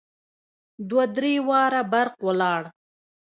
دوه درې واره برق ولاړ.